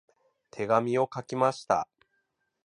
手紙を書きました。